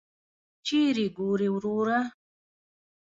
چیري ګورې وروره !